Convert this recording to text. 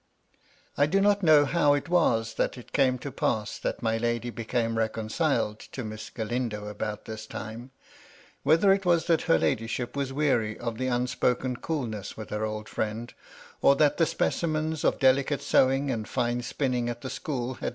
I do not know how it was that it came to pass that my lady became reconciled to Miss Galindo about this MY LADY LUDLOW. 321 time. Whether it was that her ladyship was weary of the unspoken coolness with her old friend ; or that the specimens of delicate sewing and fine spinning at the school had.